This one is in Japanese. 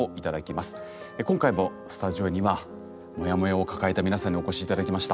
今回もスタジオにはモヤモヤを抱えたみなさんにお越し頂きました。